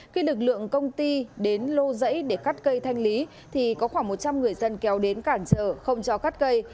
khi lực lượng công ty đến lô rẫy để cắt cây thanh lý thì có khoảng một trăm linh người dân kéo đến cản trở không cho cắt cây